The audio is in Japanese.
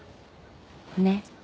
ねっ。